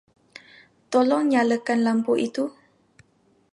Tolong nyalakan lampu itu.